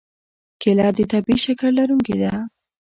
کېله د طبیعي شکر لرونکې ده.